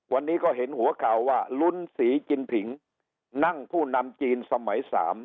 วันนี้ก็เห็นหัวข่าวว่าลุ้นสีกินผิงนั่งผู้นำจีนสมัย๓